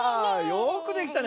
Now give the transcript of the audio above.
よくできたね。